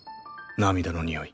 涙の匂い。